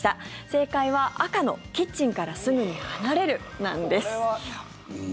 正解は赤の、キッチンからすぐに離れるなんです。